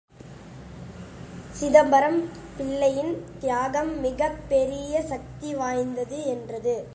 சிதம்பரம் பிள்ளையின் தியாகம் மிகப் பெரிய சக்தி வாய்ந்தது என்றது.